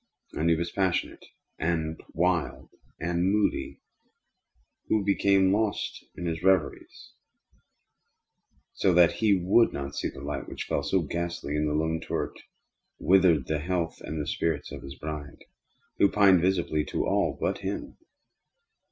And he was a passionate, and wild, and moody man, who became lost in reveries; so that he would not see that the light which fell so ghastly in that lone turret withered the health and the spirits of his bride, who pined visibly to all but him.